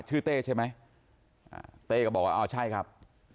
ชื่อเต้ใช่ไหมเต้ก็บอกว่าอ้าวใช่ครับ